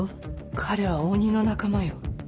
彼は鬼の仲間よ。